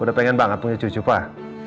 udah pengen banget punya cucu cupah